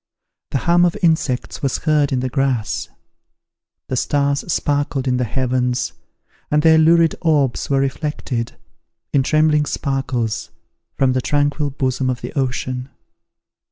The hum of insects was heard in the grass. The stars sparkled in the heavens, and their lurid orbs were reflected, in trembling sparkles, from the tranquil bosom of the ocean.